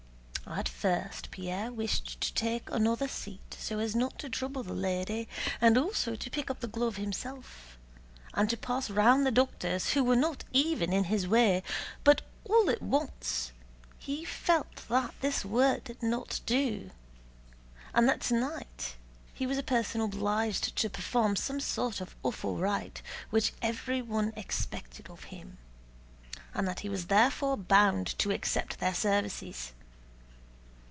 At first Pierre wished to take another seat so as not to trouble the lady, and also to pick up the glove himself and to pass round the doctors who were not even in his way; but all at once he felt that this would not do, and that tonight he was a person obliged to perform some sort of awful rite which everyone expected of him, and that he was therefore bound to accept their services.